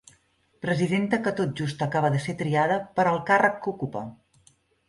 Presidenta que tot just acaba de ser triada per al càrrec que ocupa.